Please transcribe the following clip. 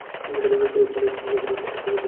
পুরুষ মানুষের মতো লড়!